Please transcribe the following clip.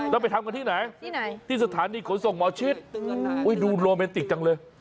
แล้วไปทำกันที่ไหนที่ไหนที่สถานีขนส่งหมอชิดดูโรแมนติกจังเลย